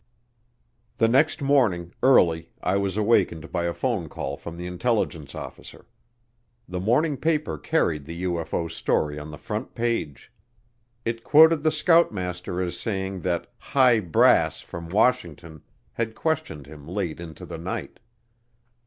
The next morning, early, I was awakened by a phone call from the intelligence officer. The morning paper carried the UFO story on the front page. It quoted the scoutmaster as saying that "high brass" from Washington had questioned him late into the night.